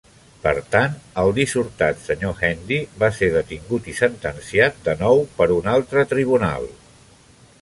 Per tant, el dissortat Sr. Handy va ser detingut i sentenciat de nou per un altre tribunal.